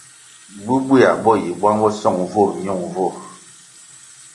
Bubweya bo yi bwang bo song nvurʼ nyun nvurʼ.